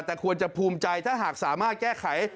แต่ควรจะภูมิใจถ้าหากสามารถแก้ไข